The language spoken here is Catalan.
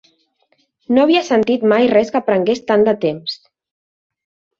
No havia sentit mai res que prengués tant de temps.